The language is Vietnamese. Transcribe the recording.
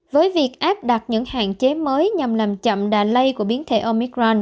với việc áp đặt những hạn chế mới nhằm làm chậm đà lây của biến thể omicron